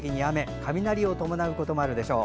雷を伴うこともあるでしょう。